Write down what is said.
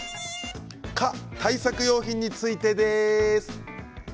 蚊対策用品についてです。